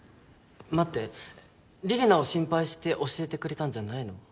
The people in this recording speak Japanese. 待って李里奈を心配して教えてくれたんじゃないの？